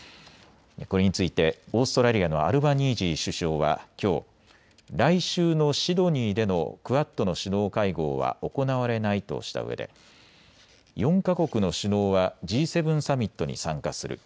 これについてオーストラリアのアルバニージー首相はきょう、来週のシドニーでのクアッドの首脳会合は行われないとしたうえで４か国の首脳はＧ７サミットに参加する。